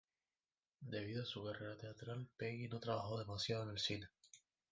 Debido a su carrera teatral, Peggy no trabajó demasiado en el cine.